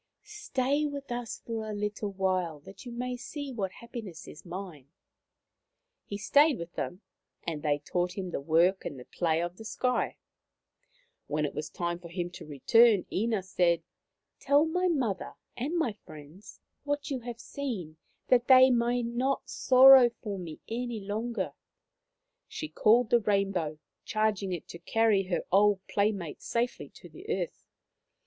Stay with us for a little while that you may see what happiness is mine. ,, He stayed with them, and they taught him the work and the play of the sky. When it was time for him to return Ina said :" Tell my mother and my friends what you have seen, that they may not sorrow for me any longer/ ' She called the rainbow, charging it to carry her old playmate safely to the earth.